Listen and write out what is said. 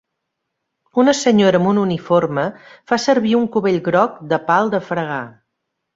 Una senyora amb un uniforme fa servir un cubell groc de pal de fregar.